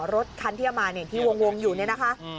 อ๋อรถคันที่มาที่วงอยู่นี่นะคะ